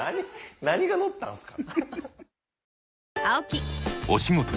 何が乗ったんすか？